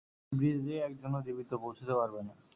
ব্রিজে একজনও জীবিত পৌঁছুতে পারবে না!